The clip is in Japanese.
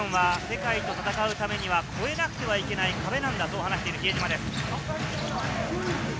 イランは世界と戦うためには超えなくてはいけない壁なんだと話しています。